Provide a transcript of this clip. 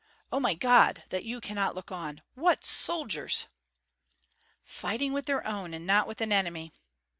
Oh, my God! that you cannot look on. What soldiers!" "Fighting with their own and not with an enemy."